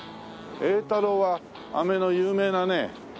榮太樓は飴の有名なね。